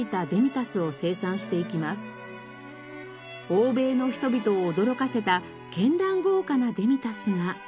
欧米の人々を驚かせた絢爛豪華なデミタスが。